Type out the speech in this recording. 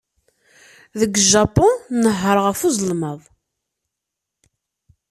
Deg Japun, nnehheṛ ɣef uzelmaḍ.